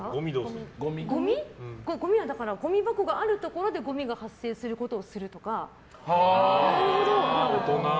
ごみはごみ箱があるところで発生することをするとか。